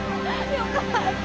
よかった。